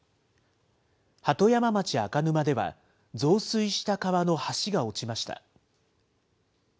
鳩山町赤沼では増水した川の橋が落ちました。